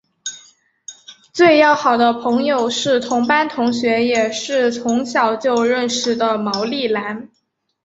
最要好的朋友是同班同学也是从小就认识的毛利兰。